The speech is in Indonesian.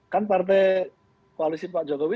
kan partai koalisi pak jokowi